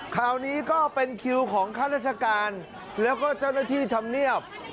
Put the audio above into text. คราวนี้ก็เป็นคิวของข้าราชการแล้วก็เจ้าหน้าที่ธรรมเนียบ